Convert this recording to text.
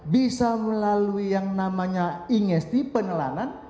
bisa melalui yang namanya ingesti penelanan